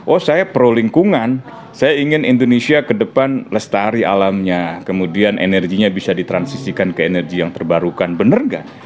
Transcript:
oh saya pro lingkungan saya ingin indonesia ke depan lestari alamnya kemudian energinya bisa ditransisikan ke energi yang terbarukan benar nggak